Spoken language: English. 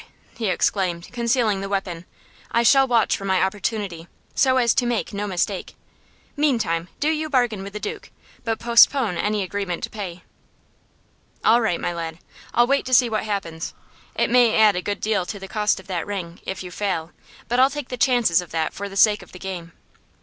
he exclaimed, concealing the weapon. "I shall watch for my opportunity, so as to make no mistake. Meantime, do you bargain with the Duke, but postpone any agreement to pay." "All right, my lad. I'll wait to see what happens. It may add a good deal to the cost of that ring, if you fail; but I'll take the chances of that for the sake of the game."